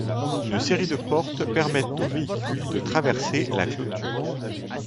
Une série de portes permettent aux véhicules de traverser la clôture.